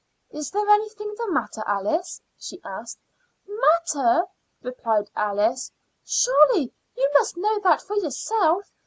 "It there anything the matter, Alice?" she asked. "Matter!" replied Alice. "Surely you must know that for yourself.